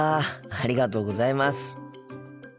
ありがとうございます。